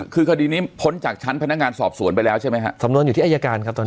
คือคดีนี้พ้นจากชั้นพนักงานสอบสวนไปแล้วใช่ไหมฮะสำนวนอยู่ที่อายการครับตอนนี้